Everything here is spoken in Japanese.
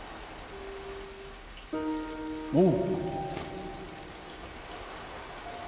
おう！